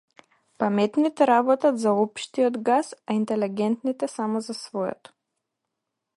Паметните работат за општиот газ, а интелегентните само за својот.